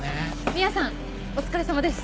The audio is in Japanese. ミアさんお疲れさまです。